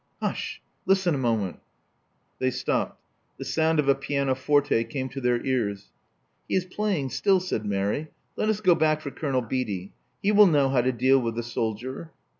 Hush. Listen a moment. " They stopped. The sound of a pianoforte came to their ears. He is playing still,*' said Mary. Let us go back for Colonel Beatty. He will know how to deal with the soldier."